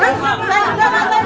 bang rijal mak